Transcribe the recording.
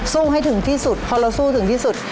ให้ถึงที่สุดพอเราสู้ถึงที่สุด